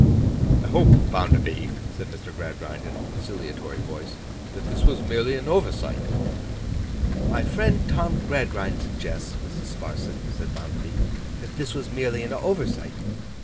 'I hope, Bounderby,' said Mr. Gradgrind, in a conciliatory voice, 'that this was merely an oversight.' 'My friend Tom Gradgrind suggests, Mrs. Sparsit,' said Bounderby, 'that this was merely an oversight.